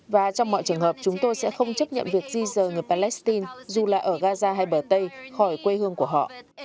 và trong mọi trường hợp chúng tôi sẽ không chấp nhận việc di dờ người palestine dù là ở gaza hay bờ tây khỏi quê hương của họ